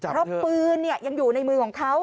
เพราะปืนยังอยู่ในมือของเขา